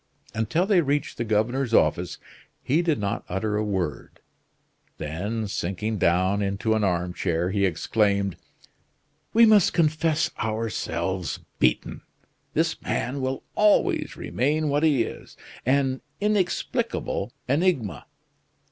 Until they reached the governor's office, he did not utter a word; then, sinking down into an armchair, he exclaimed: "We must confess ourselves beaten. This man will always remain what he is an inexplicable enigma."